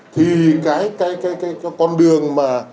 thì cái con đường mà